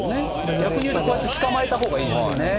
逆に言うとこうやってつかまえたほうがいいですよね。